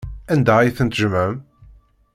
Anda ay tent-tjemɛem?